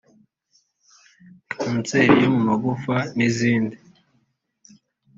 kanseri yo mu magufa n’izindi